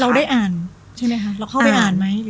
เราได้อ่านใช่ไหมคะเราเข้าไปอ่านไหม